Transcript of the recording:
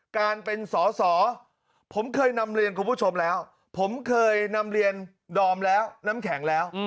การเป็นสอสอผมเคยนำเรียนคุณผู้ชมแล้วผมเคยนำเรียนดอมแล้วน้ำแข็งแล้ว